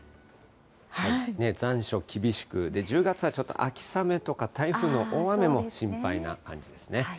残暑厳しく、１０月はちょっと秋雨とか、台風の大雨も心配な感じですね。